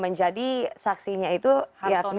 menjadi saksi yang tidak terhadap dengan meja pembela ini